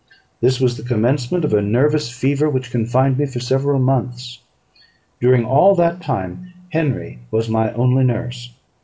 This was the commencement of a nervous fever, which confined me for several months. During all that time Henry was my only nurse.